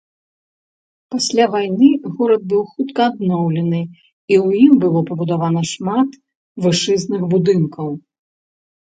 Пасля вайны горад быў хутка адноўлены, і ў ім было пабудавана шмат вышынных будынкаў.